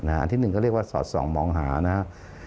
อันที่๑ก็เรียกว่าศ๒มองหานะครับ